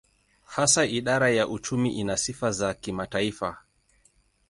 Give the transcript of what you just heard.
Hasa idara ya uchumi ina sifa za kimataifa.